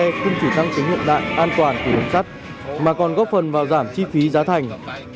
tổng công ty đường sắt việt nam cũng chỉ tăng tính hiện đại an toàn của đồng sắt mà còn góp phần vào giảm chi phí giá thành